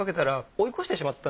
追い越してしまった？